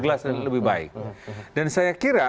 jelas dan lebih baik dan saya kira